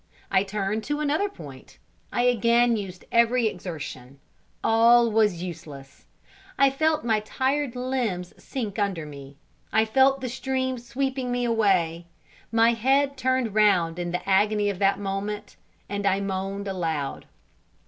I turned to another point I again used every exertion all was useless I felt my tired limbs sink under me I felt the stream sweeping me away my head turned round in the agony of that moment, and I moaned aloud.